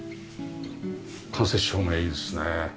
間接照明いいですね。